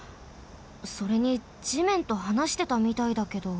それにじめんとはなしてたみたいだけど。